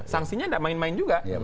sanksinya tidak main main juga